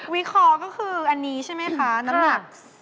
วิเคราะห์ก็คืออันนี้ใช่ไหมคะน้ำหนัก